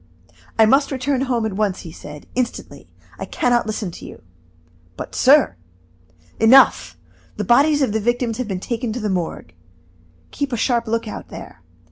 "I must return home at once," he said, "instantly; I can not listen to you." "But, sir " "Enough! the bodies of the victims have been taken to the Morgue. Keep a sharp lookout there.